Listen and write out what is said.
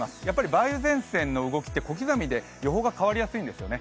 梅雨前線の動きって小刻みで予報が変わりやすいんですよね。